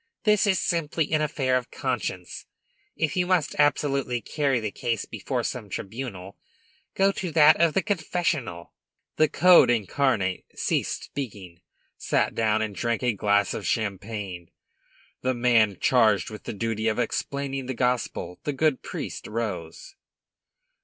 This is simply an affair of conscience. If you must absolutely carry the case before some tribunal, go to that of the confessional." The Code incarnate ceased speaking, sat down, and drank a glass of champagne. The man charged with the duty of explaining the gospel, the good priest, rose.